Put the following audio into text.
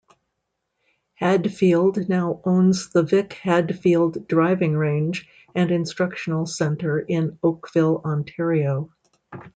Hadfield now owns the Vic Hadfield Driving Range and instructional centre in Oakville, Ontario.